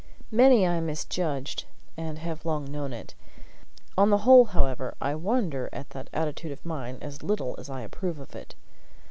Many I misjudged, and have long known it. On the whole, however, I wonder at that attitude of mine as little as I approve of it.